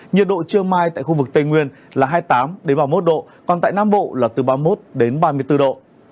nhiệt độ trưa mai tại khu vực tây nguyên là hai mươi tám ba mươi một độ còn tại nam bộ là từ ba mươi một đến ba mươi bốn độ